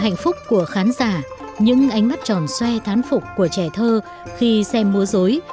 hạnh phúc của khán giả những ánh mắt tròn xoay thán phục của trẻ thơ khi xem múa dối